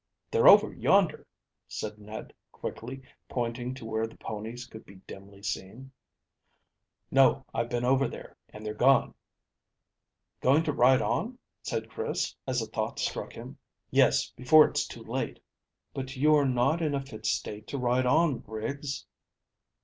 "They're over yonder," said Ned quickly, pointing to where the ponies could be dimly seen. "No; I've been over there, and they're gone." "Going to ride on?" said Chris, as a thought struck him. "Yes, before it's too late." "But you are not in a fit state to ride on, Griggs."